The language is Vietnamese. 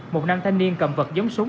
một nam thanh niên cầm vật giống súng